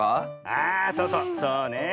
あそうそうそうね。